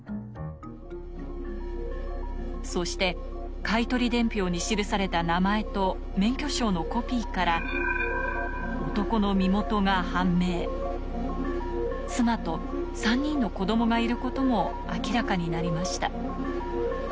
そして買い取り伝票に記された名前と免許証のコピーから妻と３人の子供がいることも明らかになりました